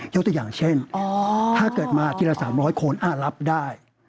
ตัวอย่างเช่นถ้าเกิดมาทีละ๓๐๐คนรับได้